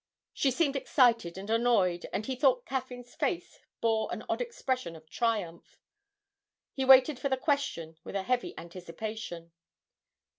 She seemed excited and annoyed, and he thought Caffyn's face bore an odd expression of triumph. He waited for the question with a heavy anticipation.